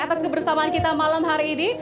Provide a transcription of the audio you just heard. atas kebersamaan kita malam hari ini